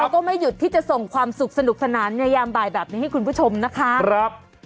ก็ไม่หยุดที่จะส่งความสุขสนุกสนานในยามบ่ายแบบนี้ให้คุณผู้ชมนะคะ